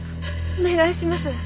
お願いします。